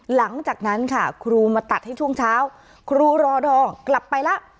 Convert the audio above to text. หลังจากนั้นค่ะครูมาตัดให้ช่วงเช้าครูรอดอกลับไปแล้ว